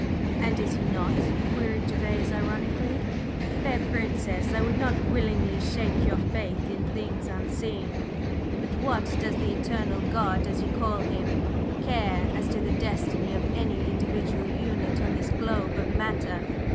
"And is he not?" queried Gervase, ironically. "Fair Princess, I would not willingly shake your faith in things unseen, but what does the 'Eternal God,' as you call Him, care as to the destiny of any individual unit on this globe of matter?